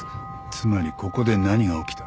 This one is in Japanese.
つまりここで何が起きた？